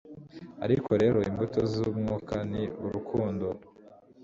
ariko rero imbuto z umwuka ni urukundo